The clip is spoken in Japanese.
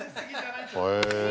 へえ。